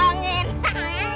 wah dia jipa